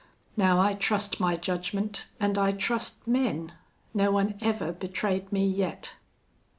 Now I trust my judgment an' I trust men. No one ever betrayed me yet."